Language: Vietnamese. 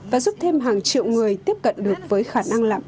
và giúp thêm hàng triệu người tiếp cận được với khả năng lượng